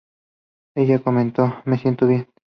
Ella comentó: "Me siento Bien.